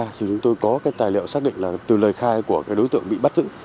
thì chúng tôi có cái tài liệu xác định là từ lời khai của cái đối tượng bị bắt giữ